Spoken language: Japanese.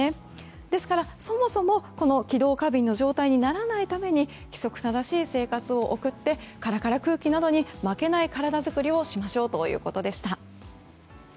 ですから、そもそも気道過敏の状態にならないために規則正しい生活を送ってカラカラ空気などに負けない体作りをしましょうということでした。